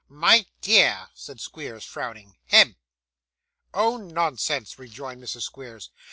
'My dear,' said Squeers frowning. 'Hem!' 'Oh! nonsense,' rejoined Mrs. Squeers.